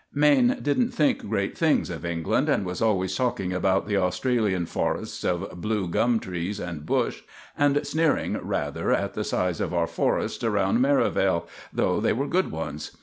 Maine didn't think great things of England, and was always talking about the Australian forests of blue gum trees and bush, and sneering rather at the size of our forests round Merivale, though they were good ones.